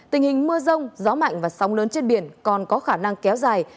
tình hình mưa rông gió mạnh và sóng lớn trên biển còn có khả năng kéo dài